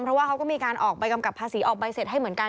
เพราะว่าเขาก็มีการออกใบกำกับภาษีออกใบเสร็จให้เหมือนกัน